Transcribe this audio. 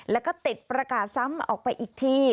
แล้วก็ติดประกาศซ้ำออกไปอีกที